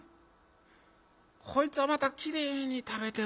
こいつはまたきれいに食べてるなおい。